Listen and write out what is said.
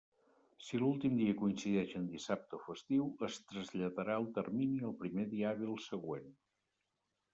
Si l'últim dia coincideix en dissabte o festiu, es traslladarà el termini al primer dia hàbil següent.